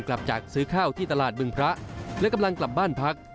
กลับจากซื้อข้าวที่ตลาดบึงพระและกำลังกลับบ้านพัก